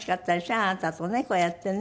あなたとねこうやってね。